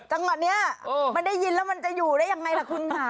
จังหวะนี้มันได้ยินแล้วมันจะอยู่ได้ยังไงล่ะคุณค่ะ